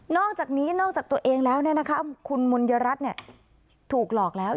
อกจากนี้นอกจากตัวเองแล้วคุณมนยรัฐถูกหลอกแล้ว